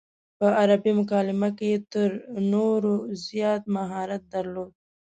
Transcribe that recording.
په عربي مکالمه کې یې تر نورو زیات مهارت درلود.